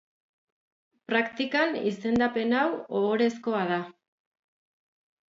Praktikan izendapen hau ohorezkoa da.